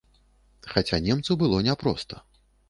Хаця немцу было няпроста.